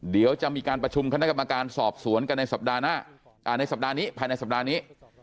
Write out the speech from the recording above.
เดี๋ยวจะมีการประชุมคณะกรรมการสอบสวนกันในสัปดาห์หน้าในสัปดาห์นี้ภายในสัปดาห์นี้